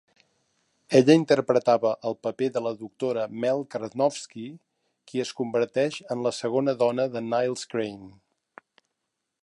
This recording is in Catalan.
Ella interpretava el paper de la doctora Mel Karnofsky, qui es converteix en la segona dona de Niles Crane.